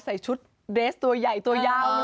ใส่ชุดเดสตัวใหญ่ตัวยาวเลย